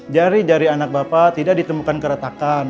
jari jari anak bapak tidak ditemukan keretakan